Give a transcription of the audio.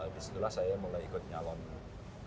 disitulah saya mulai ikut nyalon